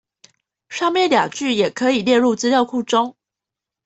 上面兩句也可以列入資料庫中